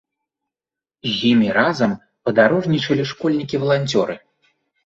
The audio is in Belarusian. З імі разам падарожнічалі школьнікі-валанцёры.